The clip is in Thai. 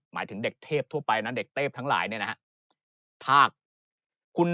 หมายถึงเด็กเทพทั่วไปนะเด็กเทพทั้งหลายเนี่ยนะฮะกระทาก